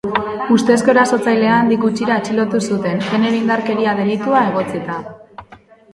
Ustezko erasotzailea handik gutxira atxilotu zuten, genero indarkeria delitua egotzita.